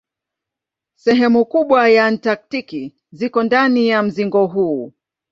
Sehemu kubwa ya Antaktiki ziko ndani ya mzingo huu.